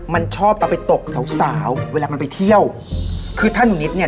มันชอบเอาไปตกสาวสาวเวลามันไปเที่ยวคือถ้าหนูนิดเนี่ย